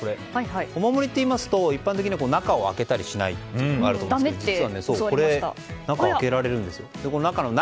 お守りといいますと一般的には中を開けたりしないというのがあるんですけど実はこれ、中を開けられるんですよ。